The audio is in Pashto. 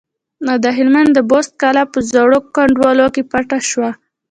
او د هلمند د بست کلا په زړو کنډوالو کې پټ شو.